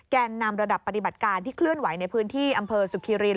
นำระดับปฏิบัติการที่เคลื่อนไหวในพื้นที่อำเภอสุขิริน